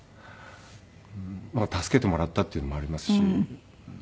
助けてもらったっていうのもありますし。